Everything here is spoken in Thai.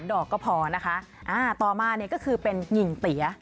ดอกก็พอนะคะต่อมาเนี่ยก็คือเป็นกิ่งเตี๋ย